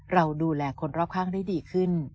เราดูแลคนรอบข้างได้ดีขึ้น